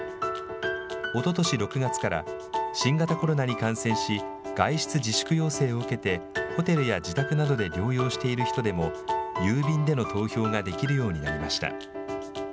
おととし６月から、新型コロナに感染し、外出自粛要請を受けて、ホテルや自宅などで療養している人でも、郵便での投票ができるようになりました。